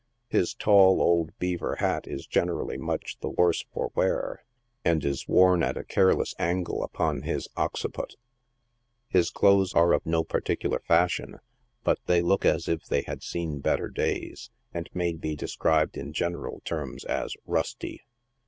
His tall old " beaver" hat is generally much the worse for wear, and is worn at a careless angle upon his occiput. His clothes are of no particular fashion, but they look as if they had seen better days, and may be described in general terms as " rusty."